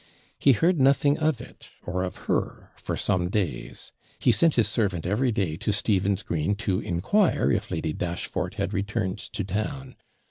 He heard nothing of it, or of her, for some days. He sent his servant every day to Stephen's Green to inquire if Lady Dashfort had returned to town.